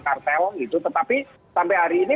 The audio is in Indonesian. kartel gitu tetapi sampai hari ini